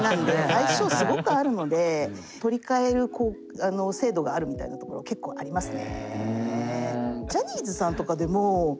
相性すごくあるので取りかえる制度があるみたいなところ結構ありますね。